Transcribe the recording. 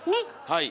はい。